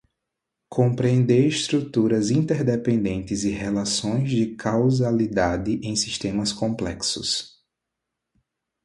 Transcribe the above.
Compreender estruturas interdependentes e relações de causalidade em sistemas complexos.